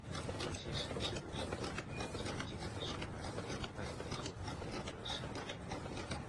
这些深层的缺点可能在经历数百万年后变得甚为重要。